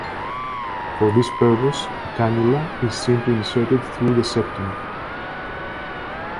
For this purpose, a canula is simply inserted through the septum.